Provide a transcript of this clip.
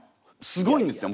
すごいんですよ